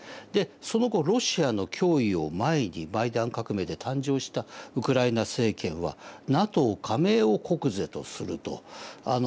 でその後ロシアの脅威を前にマイダン革命で誕生したウクライナ政権はＮＡＴＯ加盟を国是とすると。